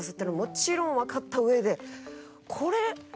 もちろんわかった上で。